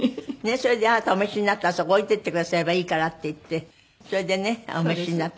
それで「あなたお召しになったらそこ置いていってくださればいいから」って言ってそれでねお召しになった。